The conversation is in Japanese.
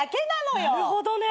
なるほどね。